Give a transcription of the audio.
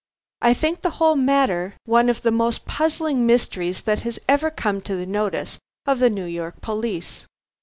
"I think the whole matter one of the most puzzling mysteries that has ever come to the notice of the New York police.